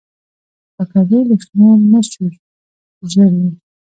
پکورې له شنو مرچو ژړوي